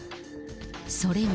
それが。